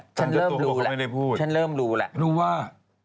ตั้งแต่ตัวเขาเขาไม่ได้พูดรู้ว่าฉันเริ่มรู้แหละฉันเริ่มรู้แหละ